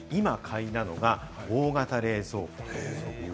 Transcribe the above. まさに今買いなのが大型冷蔵庫。